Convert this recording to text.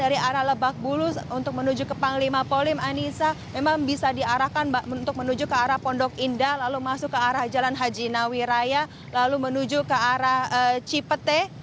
dari arah lebak bulus untuk menuju ke panglima polim anissa memang bisa diarahkan untuk menuju ke arah pondok indah lalu masuk ke arah jalan haji nawiraya lalu menuju ke arah cipete